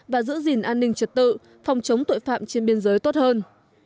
và giữ gìn an ninh trật tự phòng chống tội phạm trên biên giới tốt hơn